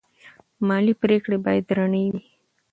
مالي پریکړې باید رڼې وي.